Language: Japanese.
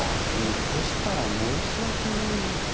残したら申しわけないので。